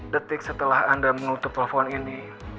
detik setelah anda menutup telepon ini